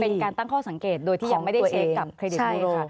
เป็นการตั้งข้อสังเกตโดยที่ยังไม่ได้เช็คกับเครดิตนี้ค่ะ